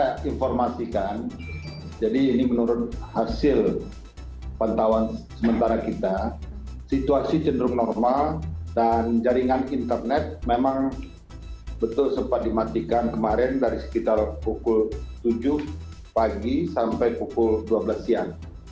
saya informasikan jadi ini menurut hasil pantauan sementara kita situasi cenderung normal dan jaringan internet memang betul sempat dimatikan kemarin dari sekitar pukul tujuh pagi sampai pukul dua belas siang